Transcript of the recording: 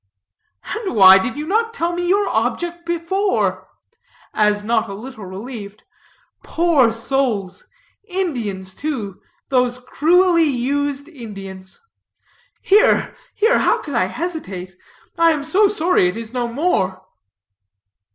"And why did you not tell me your object before?" As not a little relieved. "Poor souls Indians, too those cruelly used Indians. Here, here; how could I hesitate. I am so sorry it is no more."